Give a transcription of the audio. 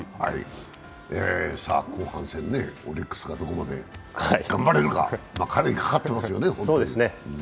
さあ、後半戦、オリックスがどこまで頑張れるか、彼にかかってますよね、本当に。